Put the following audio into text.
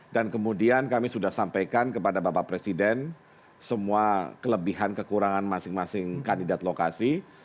dan kemudian kami sudah sampaikan kepada bapak presiden semua kelebihan kekurangan masing masing kandidat lokasi